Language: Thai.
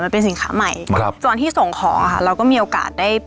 เป็นสินค้าใหม่ครับตอนที่ส่งของค่ะเราก็มีโอกาสได้